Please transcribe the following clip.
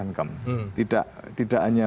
diangkat tidak hanya